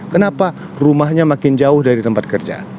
kenapa rumahnya makin jauh dari tempat kerja